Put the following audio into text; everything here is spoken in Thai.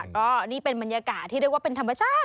ก็นี่เป็นบรรยากาศที่เรียกว่าเป็นธรรมชาติ